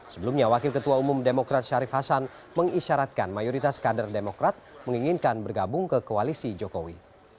sebelumnya wakil ketua umum demokrat syarif hasan mengisyaratkan mayoritas kader demokrat menginginkan bergabung ke koalisi jokowi